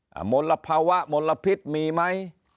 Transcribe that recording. หมดละภาวะหมดละพิษมีไหม